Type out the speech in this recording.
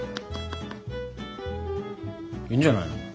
いいんじゃないの。